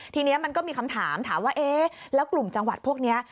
ทีนี้มันก็มีคำถามถามว่าเอ๊ะแล้วกลุ่มจังหวัดพวกนี้